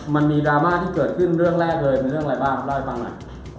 มันมีดราม่าที่เกิดขึ้นเรื่องแรกเลยมีเรื่องอะไรบ้างได้ไหมฟังหน่อย